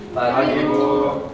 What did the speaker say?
selamat pagi bu